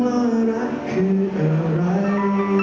ว่ารักคืออะไร